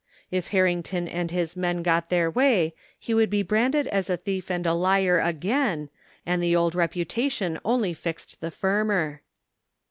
If Harrington and his men got their way he would be branded as a thief and a liar again and the old reputation only fixed the firmer.